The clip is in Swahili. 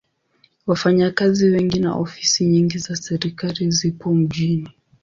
Wafanyakazi wengi na ofisi nyingi za serikali zipo mjini.